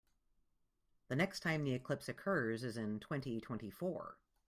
The next time the eclipse occurs is in twenty-twenty-four.